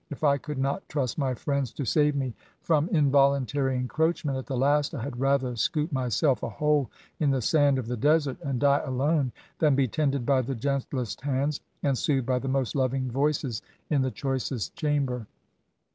K I could not trust my friends to save me from SYMPATHY TO THE INVALID. 41 inroluntary encroachment at the last, I had rather scoop myself a hole in the sand of the desert, and die alone, than be tended by the gentlest hands, and soothed by the most loying voices in the choicest chamber.